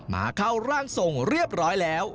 มาเข้าร่างทรงเรียบร้อยแล้ว